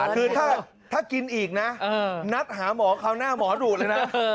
คือถ้ากินอีกนะนัดหาหมอคราวหน้าหมอดูดเลยนะ